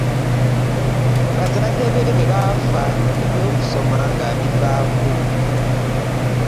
Bazadde be bwe bafa ebyo kusoma ngabivaako.